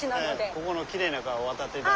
ここのきれいな川を渡って頂きます。